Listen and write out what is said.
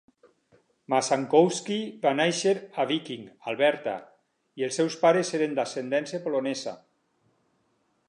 Mazankowski va néixer a Viking, Alberta, i els seus pares eren d'ascendència polonesa.